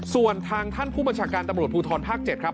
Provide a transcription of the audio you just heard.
ส่วนทางท่านผู้บัญชาการตำรวจภูทรภาค๗ครับ